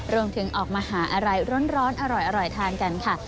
ออกมาหาอะไรร้อนอร่อยทานกันค่ะ